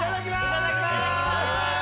いただきます。